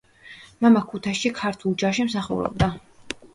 მამა ქუთაისში ქართულ ჯარში მსახურობდა.